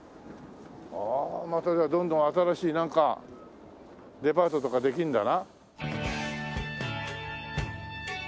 ああまたじゃあどんどん新しいなんかデパートとかできるんだな。